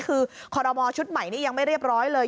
คือคอรมอชุดใหม่นี่ยังไม่เรียบร้อยเลย